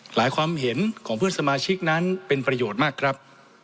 ความเห็นของเพื่อนสมาชิกนั้นเป็นประโยชน์มากครับ